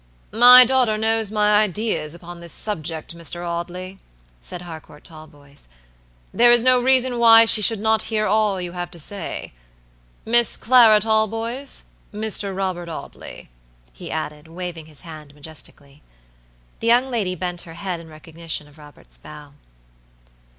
"My daughter knows my ideas upon this subject, Mr. Audley," said Harcourt Talboys; "there is no reason why she should not hear all you have to say. Miss Clara Talboys, Mr. Robert Audley," he added, waving his hand majestically. The young lady bent her head in recognition of Robert's bow.